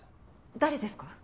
誰ですか？